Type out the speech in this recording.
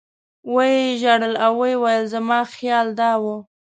و یې ژړل او ویې ویل زما خیال دا و.